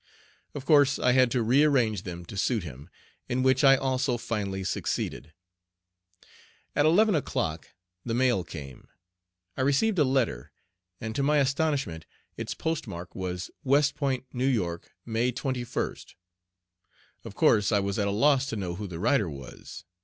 Of course I had to rearrange them to suit him, in which I also finally succeeded. At eleven o'clock the mail came. I received a letter, and to my astonishment its postmark was "West Point, N. Y., May 21st." Of course I was at a loss to know who the writer was.